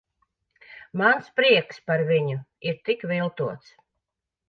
Mans prieks par viņu ir tik viltots.